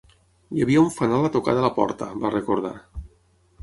Hi havia un fanal a tocar de la porta, va recordar.